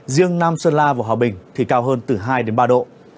riêng nam sơn la và hòa bình thì cao hơn từ hai đến ba độ